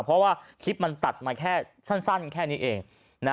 เพราะว่าคลิปมันตัดมาแค่สั้นแค่นี้เอง